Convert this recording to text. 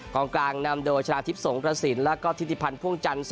กลางนำโดยชนะทิพย์สงกระสินแล้วก็ทิติพันธ์พ่วงจันทร์